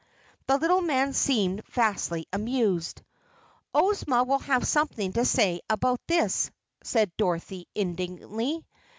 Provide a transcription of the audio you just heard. The little man seemed vastly amused. "Ozma will have something to say about this," said Dorothy indignantly.